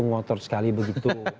ngotot sekali begitu